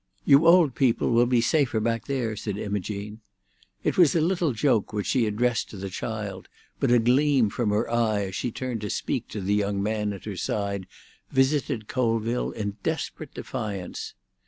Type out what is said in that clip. "You old people will be safer back there," said Imogene. It was a little joke which she addressed to the child, but a gleam from her eye as she turned to speak to the young man at her side visited Colville in desperate defiance.